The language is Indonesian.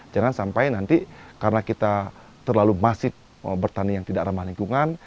jangan sampai nanti karena kita terlalu masif bertanian yang tidak ramah lingkungan